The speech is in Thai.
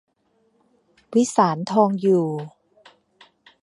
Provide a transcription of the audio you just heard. วิสาร ทองอยู่